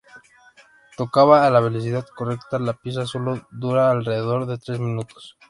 Tocada a la velocidad correcta, la pieza sólo dura alrededor de tres minutos.